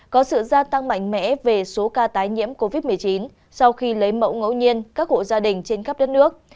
có sự gia tăng mạnh mẽ về số ca tái nhiễm covid một mươi chín sau khi lấy mẫu ngẫu nhiên các hộ gia đình trên khắp đất nước